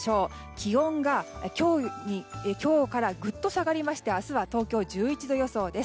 気温が、今日からぐっと下がりまして明日は東京、１１度予想です。